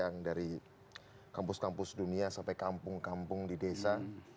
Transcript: yang dari kampus kampus dunia sampai kampung kampung di desa